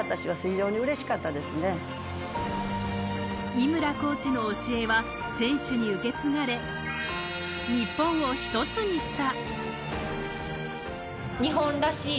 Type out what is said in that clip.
井村コーチの教えは選手に受け継がれ、日本を一つにした。